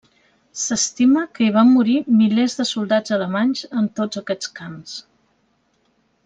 S'estima que hi van morir milers de soldats alemanys en tots aquests camps.